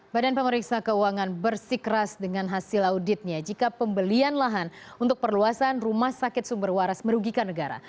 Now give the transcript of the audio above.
badan pemeriksa keuangan bersikeras dengan hasil auditnya jika pembelian lahan untuk perluasan rumah sakit sumber waras merugikan negara